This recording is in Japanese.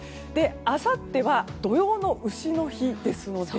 あさっては土用の丑の日ですので。